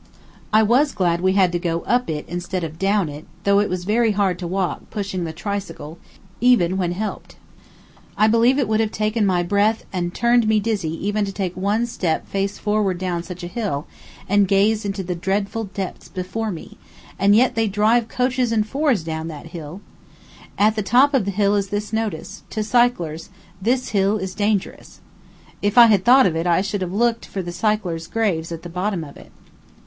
I was glad we had to go up it instead of down it, though it was very hard to walk, pushing the tricycle, even when helped. I believe it would have taken away my breath and turned me dizzy even to take one step face forward down such a hill, and gaze into the dreadful depths below me; and yet they drive coaches and fours down that hill. At the top of the hill is this notice: "To cyclers this hill is dangerous." If I had thought of it I should have looked for the cyclers' graves at the bottom of it.